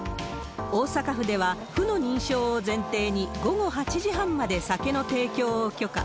大阪府では府の認証を前提に、午後８時半まで酒の提供を許可。